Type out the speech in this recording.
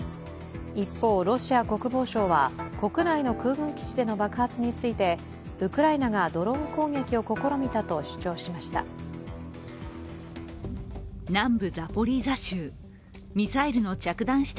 一方、ロシア国防省は国内の空軍基地での爆発についてウクライナがドローン攻撃を試みたと主張しました。